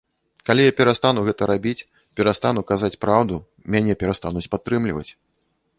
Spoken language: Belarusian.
Калі я перастану гэта рабіць, перастану казаць праўду, мяне перастануць падтрымліваць.